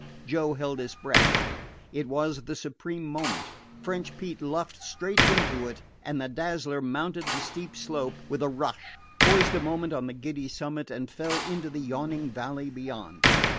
Joe held his breath. It was the supreme moment. French Pete luffed straight into it, and the Dazzler mounted the steep slope with a rush, poised a moment on the giddy summit, and fell into the yawning valley beyond.